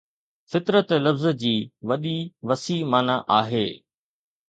فطرت لفظ جي وڏي وسيع معنيٰ آهي